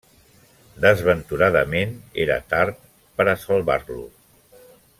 Desventuradament era tard per a salvar-lo.